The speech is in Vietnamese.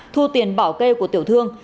thu tiền bảo kê của tiểu thương